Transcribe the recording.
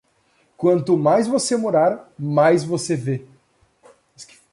Quanto mais você morar, mais você vê.